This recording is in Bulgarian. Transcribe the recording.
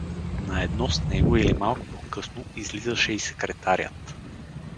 Наедно с него, или малко по-късно, излизаше и секретарят.